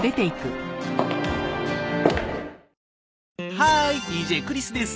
ハーイＤＪクリスです！